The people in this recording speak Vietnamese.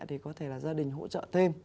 thì có thể là gia đình hỗ trợ thêm